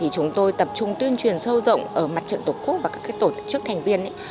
chúng tôi tập trung tuyên truyền sâu rộng ở mặt trận tổ quốc và các tổ chức thành viên